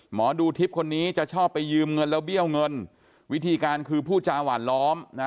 หมอดูทิพย์คนนี้จะชอบไปยืมเงินแล้วเบี้ยวเงินวิธีการคือผู้จาหวานล้อมนะ